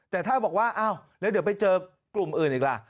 แต่ถ้าบอกว่าอ้าวแล้วเดี๋ยวไปเจอกลุ่มอื่นอีกล่ะ